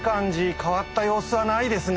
変わった様子はないですね。